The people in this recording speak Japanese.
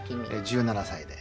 １７歳で。